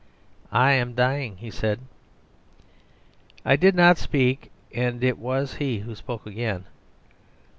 "I am dying," he said. I did not speak, and it was he who spoke again.